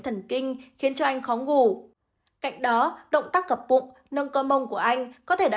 thần kinh khiến cho anh khó ngủ cạnh đó động tác cập bụng nâng cơ mông của anh có thể đã